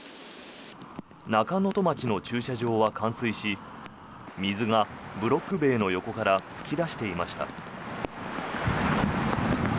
中能登町の駐車場は冠水し水がブロック塀の横から噴き出していました。